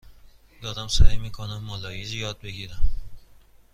دارم سعی می کنم مالایی یاد بگیرم.